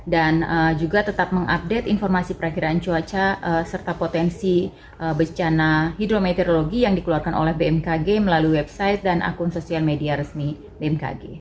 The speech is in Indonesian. dan juga tetap mengupdate informasi perakhiran cuaca serta potensi bencana hidrometeorologi yang dikeluarkan oleh bmkg melalui website dan akun sosial media resmi bmkg